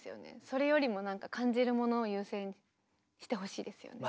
それよりもなんか感じるものを優先してほしいですよね。